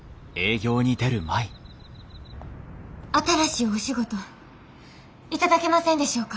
新しいお仕事頂けませんでしょうか。